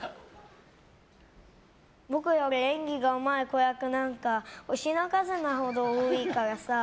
僕より演技がうまい子役なんか星の数ほど多いからさ。